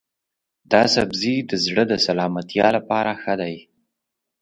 دا سبزی د زړه د سلامتیا لپاره ښه دی.